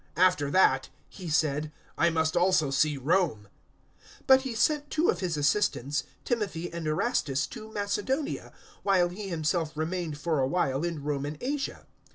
"After that," he said, "I must also see Rome." 019:022 But he sent two of his assistants, Timothy and Erastus, to Macedonia, while he himself remained for a while in Roman Asia.